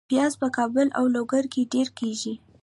پیاز په کابل او لوګر کې ډیر کیږي